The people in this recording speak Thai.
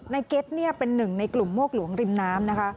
เก็ตเป็นหนึ่งในกลุ่มโมกหลวงริมน้ำนะคะ